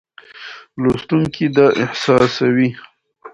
لوستونکی دا احساسوي.